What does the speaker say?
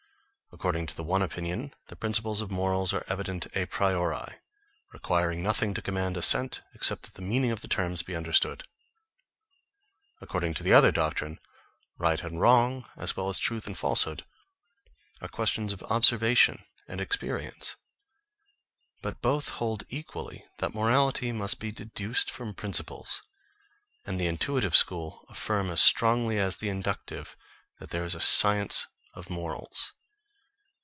According to the one opinion, the principles of morals are evident a priori, requiring nothing to command assent, except that the meaning of the terms be understood. According to the other doctrine, right and wrong, as well as truth and falsehood, are questions of observation and experience. But both hold equally that morality must be deduced from principles; and the intuitive school affirm as strongly as the inductive, that there is a science of morals.